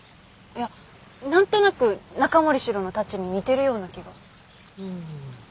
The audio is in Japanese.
いやなんとなく中森司郎のタッチに似てるような気が。